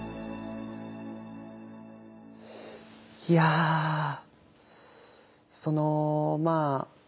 いやそのまあ